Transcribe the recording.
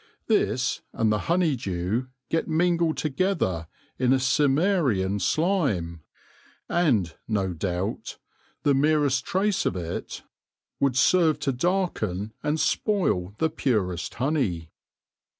This and the honeydew get mingled together in a Cimmerian slime, and, no doubt, the merest trace of it would serve to darken and spoil WHERE THE BEE SUCKS 159 the purest honey.